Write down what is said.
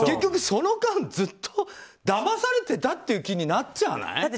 その間、ずっとだまされたという気になっちゃわない？